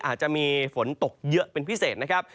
อาจจะมีฝนตกเยอะเป็นพิเศษนะครับ